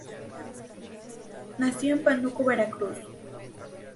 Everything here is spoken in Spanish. Nació en Pánuco, Veracruz.